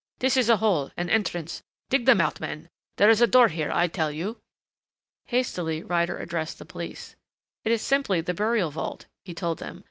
"This is a hole an entrance. Dig them out, men. There is a door there, I tell you." Hastily Ryder addressed the police. "It is simply the burial vault," he told them.